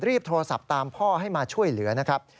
โทรศัพท์ตามพ่อให้มาช่วยเหลือนะครับ